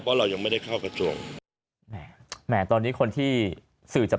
สื่อจะประตูละ